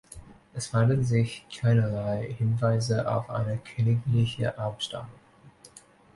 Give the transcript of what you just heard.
Es fanden sich keinerlei Hinweise auf eine königliche Abstammung.